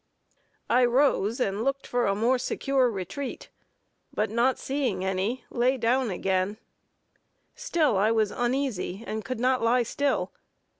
I rose and looked for a more secure retreat, but not seeing any, lay down again still I was uneasy, and could not lie still.